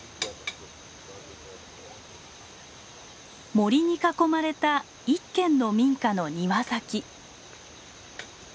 森に囲まれた一軒の民家の庭先。